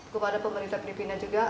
kepada pemerintah filipina juga